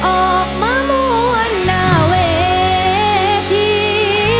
ออกมามวลหน้าเวที